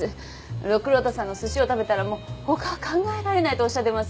六郎太さんのすしを食べたらもう他は考えられないとおっしゃってます。